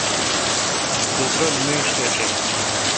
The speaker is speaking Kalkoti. دُت رل میڄ گݭیل